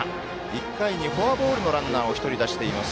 １回にフォアボールのランナーを１人出しています